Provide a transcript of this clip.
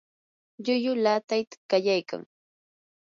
llulluu laatayta qallaykan.